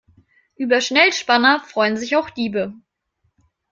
Über Schnellspanner freuen sich auch Diebe.